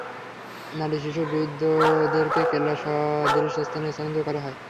নারী, শিশু ও বৃদ্ধদেরকে কেল্লা সদৃশ স্থানে স্থানান্তর করা হয়।